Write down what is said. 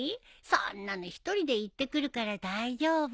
そんなの一人で行ってくるから大丈夫。